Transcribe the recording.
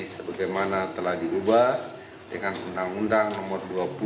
sebagaimana telah diubah dengan undang undang nomor dua puluh